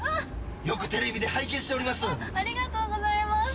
よくテレビで拝見しております。